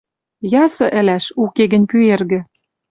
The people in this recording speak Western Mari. Ясы ӹлӓш, уке гӹнь пӱэргӹ